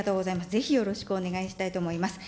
ぜひよろしくお願いしたいと思います。